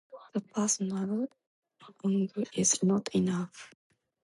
The personal angle is not enough.